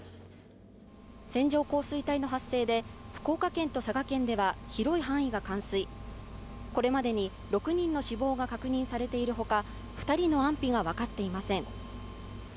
線状降水帯の発生で福岡県と佐賀県では広い範囲が冠水、これまでに６人の死亡が確認されているほか、２人の安否が分かっていません。